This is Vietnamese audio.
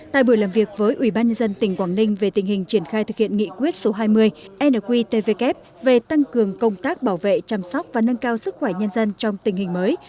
tại bữa làm việc với ubnd tỉnh quảng ninh về tình hình triển khai thực hiện nghị quyết số hai mươi nqtvk về tăng cường công tác bảo vệ chăm sóc và nâng cao sức khỏe nhân dân trong tình hình mới